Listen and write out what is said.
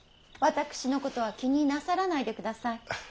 私のことは気になさらないでください。